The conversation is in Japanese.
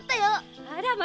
あらま